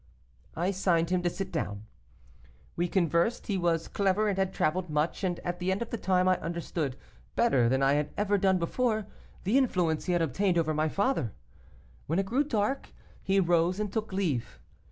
I signed him to sit down. We conversed; he was clever and had traveled much, and at the end of the time I understood, better than I had ever done before, the influence he had obtained over my father. When it grew dark, he rose and took leave.